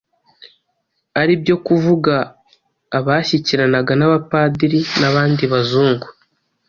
ari byo kuvuga abashyikiranaga n'Abapadiri n'abandi Bazungu